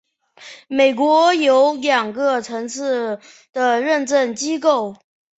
美国有两个层次的认证机构。